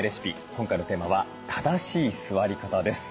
今回のテーマは正しい座り方です。